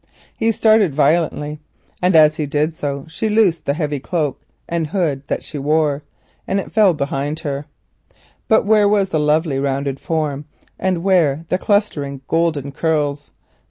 He started violently; as he did so she loosed the heavy cloak and hood that she wore and it fell behind her. But where was the lovely rounded form, and where the clustering golden curls?